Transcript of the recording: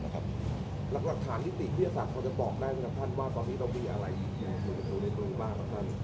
หลักฐานที่ติดพิธีศาสตร์เขาจะบอกได้ไหมครับท่านว่าตอนนี้ต้องมีอะไรอยู่ในตัวนี้บ้างครับท่าน